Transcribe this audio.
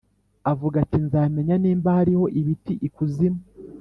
avuga ati: 'nzamenya nimba hariho ibiti i kuzimu.'